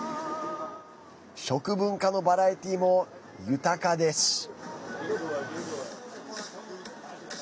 食文化のバラエティーも豊かです。